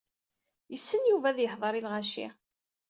Yessen Yuba ad yehder i lɣaci.